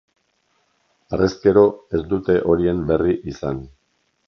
Harrezkero, ez dute horien berri izan.